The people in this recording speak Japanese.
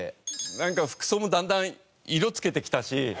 なんか服装もだんだん色つけてきたし。